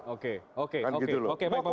oke oke oke baik pak